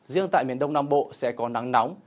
riêng tại miền đông nam bộ sẽ có nắng nóng